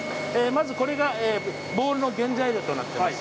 まずこれがボールの原材料となっています。